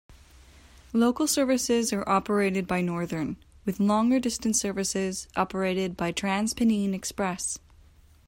Local services are operated by Northern with longer distance services operated by TransPennine Express.